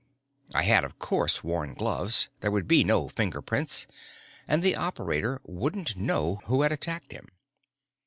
I had, of course, worn gloves. There would be no fingerprints. And the operator wouldn't know who had attacked him.